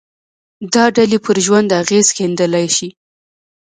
دا ډلې پر ژوند اغېز ښندلای شي